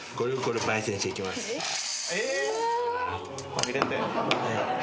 歯入れて。